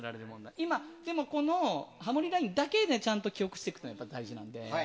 今、ハモリラインだけで記憶していくの大事なので。